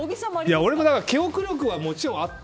俺も記憶力はもちろんあって。